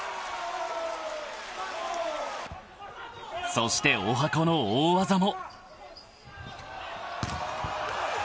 ［そして十八番の大技も］